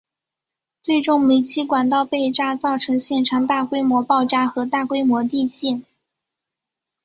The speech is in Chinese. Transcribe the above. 最终煤气管道被炸造成现场大规模爆炸和大规模地陷。